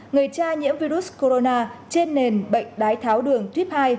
người cha nhiễm virus corona trên nền bệnh đái tháo đường tuyếp hai